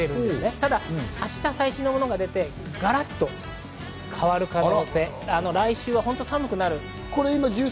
ただ明日、最新のものが出てガラっと変わる可能性、来週は本当に寒くなる。